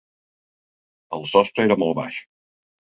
El sostre era molt baix.